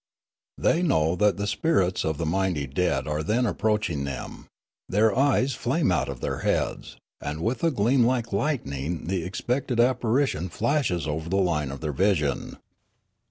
The}' know that the spirits of the might}' dead are then approaching them ; their eyes flame out of their heads; and with a gleam like lightning the expected apparition flashes over the line of their vision.